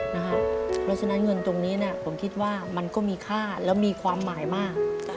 เพราะฉะนั้นเงินผมคิดว่าจะมีค่าและมีความหมายมาก